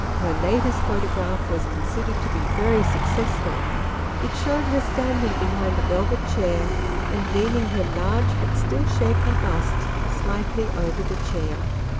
Her latest photograph was considered to be very successful. It showed her standing behind a velvet chair and leaning her large but still shapely bust slightly over the chair.